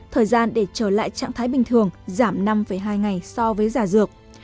thời gian để trở lại trạng thái bình thường giảm năm hai ngày so với giả dược